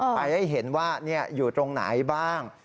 ไปให้เห็นว่าอยู่ตรงไหนบ้าง